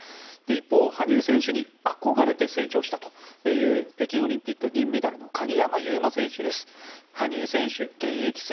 一方、羽生選手に憧れて成長したという北京オリンピック銀メダルの鍵山優真選手です。